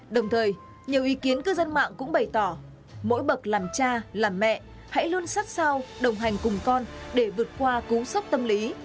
đồng thời nhiều ý kiến cư dân mạng cũng bày tỏ mỗi bậc làm cha làm mẹ hãy luôn sát sao đồng hành cùng con để vượt qua cú sốc tâm lý